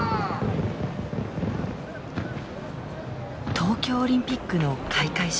東京オリンピックの開会式。